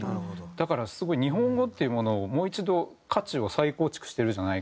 だからすごい日本語っていうものをもう一度価値を再構築してるじゃないけど。